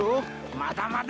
まだまだ！